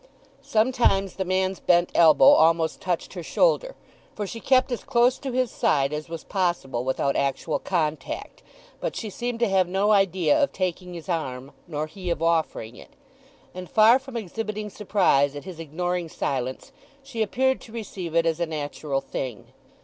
Sometimes the man's bent elbow almost touched her shoulder, for she kept as close to his side as was possible without actual contact, but she seemed to have no idea of taking his arm, nor he of offering it; and far from exhibiting surprise at his ignoring silence she appeared to receive it as a natural thing.